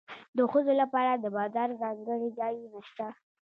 د ښځو لپاره د بازار ځانګړي ځایونه شته